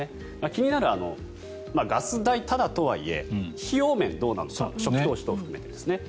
気になるガス代タダとはいえ費用面、どうなのか初期投資含めて。